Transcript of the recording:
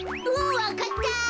わかった。